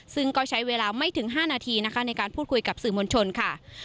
ซึ่งก็ใช้เวลาไม่ถึง๕นาทีนะคะในการพูดคุยกับสื่อมวลชนค่ะ